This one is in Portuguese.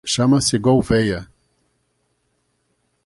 Chama-se Gouvêa.